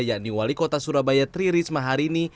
yakni wali kota surabaya tri risma harini